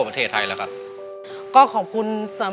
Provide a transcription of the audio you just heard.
ครูนี้คนเดียวนะ